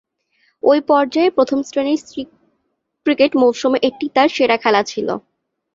ঐ পর্যায়ে প্রথম-শ্রেণীর ক্রিকেট মৌসুমে এটিই তার সেরা ছিল।